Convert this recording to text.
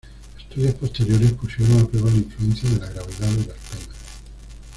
Estudios posteriores pusieron a prueba la influencia de la gravedad de las penas.